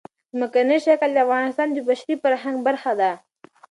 ځمکنی شکل د افغانستان د بشري فرهنګ برخه ده.